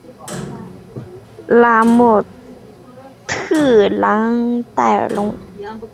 拉莫特朗代尔龙。